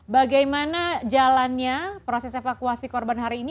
bagaimana jalannya proses evakuasi korban hari ini